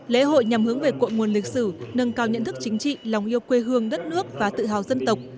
lễ hội nhằm hướng về cội nguồn lịch sử nâng cao nhận thức chính trị lòng yêu quê hương đất nước và tự hào dân tộc